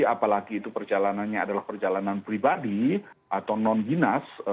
apalagi itu perjalanannya adalah perjalanan pribadi atau non dinas